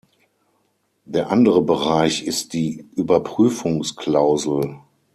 Der andere Bereich ist die Überprüfungsklausel.